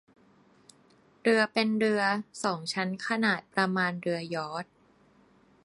เรือเป็นเรือ สอง ชั้นขนาดประมาณเรือยอร์ช